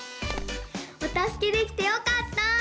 おたすけできてよかった！